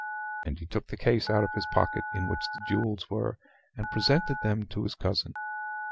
And he took the case out of his pocket in which the jewels were, and presented them to his cousin.